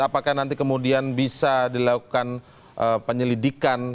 apakah nanti kemudian bisa dilakukan penyelidikan